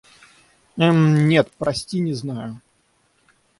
Эм-м, нет, прости, не знаю.